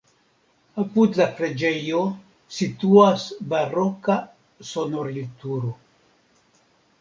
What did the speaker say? Apud la preĝejo situas baroka sonorilturo.